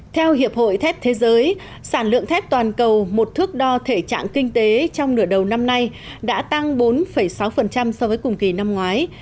theo hiệp hội thép thế giới sản lượng thép toàn cầu một thước đo thể trạng kinh tế trong nửa đầu năm nay đã tăng bốn sáu so với cùng kỳ năm ngoái